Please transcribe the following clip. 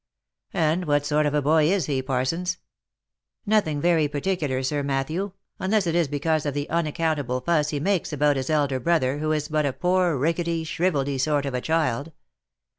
" And what sort of a boy is he, Parsons V " Nothing very particular, Sir Matthew, unless it is because of the unaccountable fuss he makes about his elder brother, who is but a poor rickety, shriveldy sort of a child.